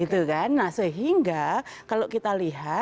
gitu kan nah sehingga kalau kita lihat